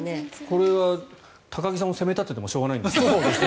これは高木さんを責め立ててもしょうがないんですけど。